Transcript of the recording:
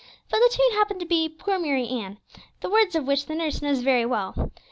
But the tune happened to be "Poor Mary Ann," the words of which the nurse knows very well indeed.